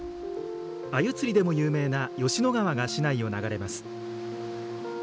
あゆ釣りでも有名な吉野川が市内を流れます。